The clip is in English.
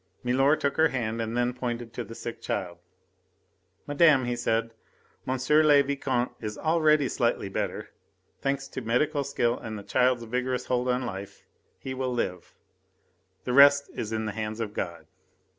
Milor took her hand and then pointed to the sick child. "Madame," he said, "M. le Vicomte is already slightly better. Thanks to medical skill and a child's vigorous hold on life, he will live. The rest is in the hands of God."